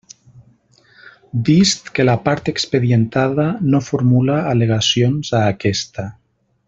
Vist que la part expedientada no formula al·legacions a aquesta.